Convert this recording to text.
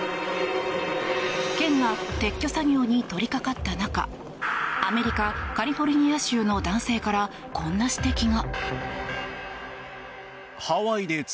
県が撤去作業に取り掛かった中アメリカ・カリフォルニア州の男性から、こんな指摘が。